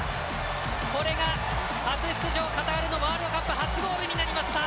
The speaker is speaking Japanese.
これが初出場カタールのワールドカップ初ゴールになりました！